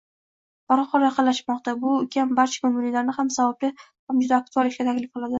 Bahor yaqinlashmoqda, bu ukam barcha koʻngillilarni ham savobli ham juda aktual ishga taklif qiladi.